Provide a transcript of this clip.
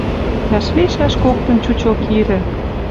Вӓшлишӓш коктын чучок ирӹ —